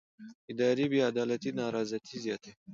اداري بې عدالتي نارضایتي زیاتوي